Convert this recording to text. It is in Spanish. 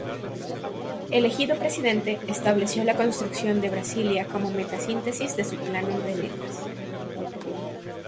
Elegido presidente, estableció la construcción de Brasilia como meta-síntesis de su "Plano de Metas".